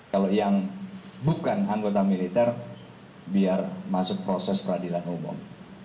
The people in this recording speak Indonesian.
kalau yang bukan anggota militer biar masuk proses peradilan umum